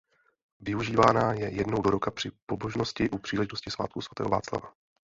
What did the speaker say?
Využívána je jednou do roka při pobožnosti u příležitosti svátku svatého Václava.